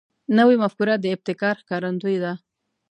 نوې مفکوره د ابتکار ښکارندوی ده